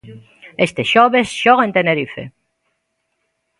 Este xoves xoga en Tenerife.